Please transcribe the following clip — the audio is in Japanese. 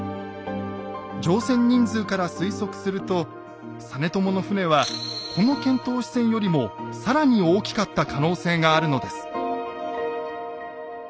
乗船人数から推測すると実朝の船はこの遣唐使船よりもさらに大きかった可能性があるのです。